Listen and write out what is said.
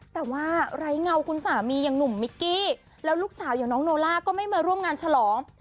แต่ว่าไร้เงาคุณสามีอย่างหนุ่มมิกกี้แล้วลูกสาวอย่างน้องโนล่าก็ไม่มาร่วมงานฉลอง